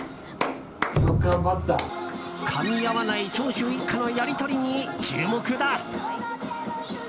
かみ合わない長州一家のやりとりに注目だ！